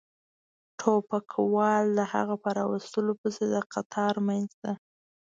ټوپکوال د هغه په را وستلو پسې د قطار منځ ته.